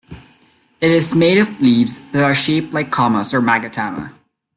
It is made of leaves that are shaped like commas or magatama.